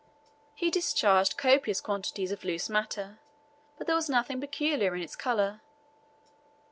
He discharged copious quantities of loose matter, but there was nothing peculiar in its colour.